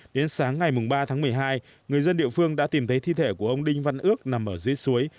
đến sáng ngày ba tháng một mươi hai người dân địa phương đã tìm thấy thi thể của ông đinh văn ước nằm ở dưới suối